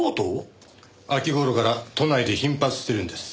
秋頃から都内で頻発してるんです。